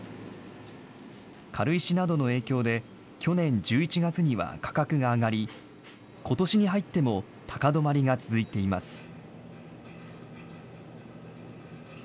軽石などの影響で、去年１１月には価格が上がり、ことしに入っても高止まりが続いています。